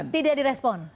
tidak di respon